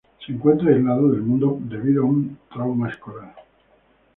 Se encuentra aislado del mundo debido a un trauma escolar.